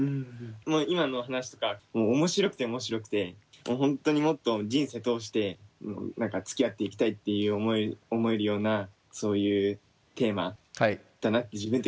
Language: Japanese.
今の話とか面白くて面白くて本当にもっと人生通してつきあっていきたいって思えるようなそういうテーマだなって自分的に思ってるので。